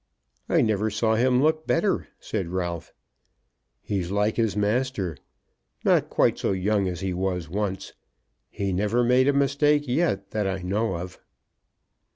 "I never saw him look better," said Ralph. "He's like his master; not quite so young as he was once. He never made a mistake yet that I know of."